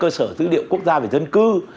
cơ sở dữ liệu quốc gia về dân cư